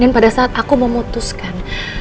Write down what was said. dan pada saat aku memutuskan